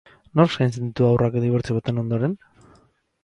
Nork zaintzen ditu haurrak dibortzio baten ondoren?